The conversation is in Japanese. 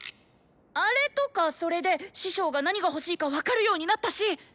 「アレ」とか「ソレ」で師匠が何が欲しいか分かるようになったし。